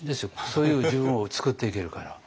そういう自分を作っていけるから。